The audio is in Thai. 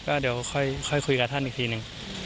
ก็เดี๋ยวค่อยคุยกับท่านอีกทีหนึ่ง